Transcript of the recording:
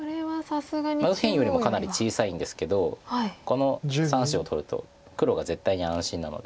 右辺よりもかなり小さいんですけどこの３子を取ると黒が絶対に安心なので。